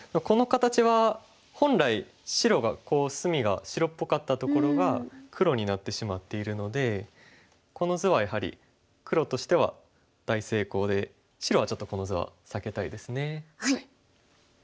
この形は本来白がこう隅が白っぽかったところが黒になってしまっているのでこの図はやはり黒としては大成功で白はちょっとこの図は避けたいですね。